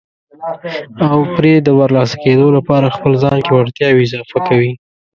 او پرې د برلاسه کېدو لپاره خپل ځان کې وړتیاوې اضافه کوي.